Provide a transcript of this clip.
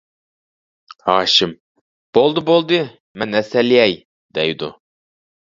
ھاشىم: بولدى، بولدى، مەن ھەسەل يەي دەيدۇ.